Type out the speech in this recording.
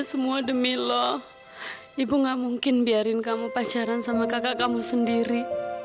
ini semua demi lo ibu nggak mungkin biarin kamu pacaran sama kakak kamu sendiri